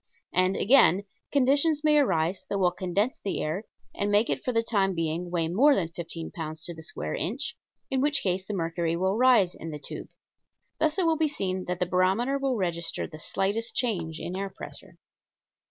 And, again, conditions may arise that will condense the air and make it for the time being weigh more than fifteen pounds to the square inch, in which case the mercury will rise in the tube. Thus it will be seen that the barometer will register the slightest change in air pressure.